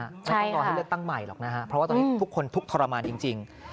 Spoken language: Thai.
ไม่ต้องก่อนให้เลือกตั้งใหม่หรอกนะครับเพราะว่าทุกคนทุกข์ทรมานจริงจริง